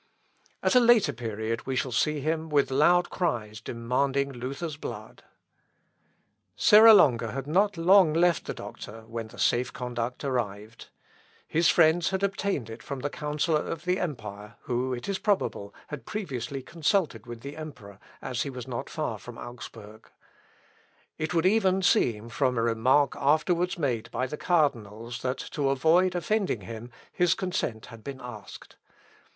At a later period, we shall see him with loud cries demanding Luther's blood. Serra Longa had not long left the doctor when the safe conduct arrived. His friends had obtained it from the counsellor of the empire, who, it is probable, had previously consulted with the Emperor, as he was not far from Augsburg. It would even seem, from a remark afterwards made by the cardinals that, to avoid offending him, his consent had been asked.